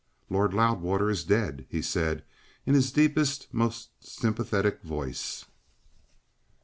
Lord Loudwater is dead," he said, in his deepest, most sympathetic voice.